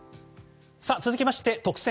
続きまして特選！！